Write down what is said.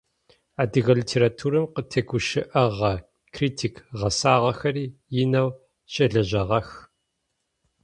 Адыгэ литературэм къытегущыӏэгъэ критик гъэсагъэхэри инэу щылэжьагъэх.